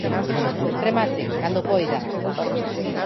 Remate, cando poida.